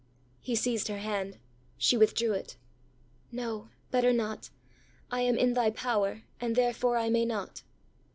ã He seized her hand: she withdrew it. ãNo, better not; I am in thy power, and therefore I may not.